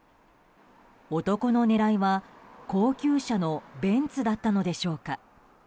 男の狙いは高級車のベンツだったのでしょうか。